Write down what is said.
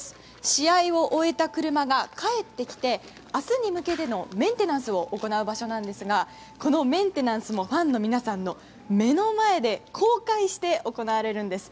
試合を終えた車が帰ってきて明日に向けてのメンテナンスを行う場所なんですがこのメンテナンスもファンの皆さんの目の前で公開して行われるんです。